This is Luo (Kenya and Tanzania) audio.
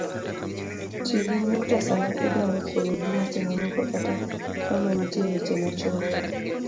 Ti gi nyukta sama idwaro pogogi weche mamoko kata kama nitie weche machuok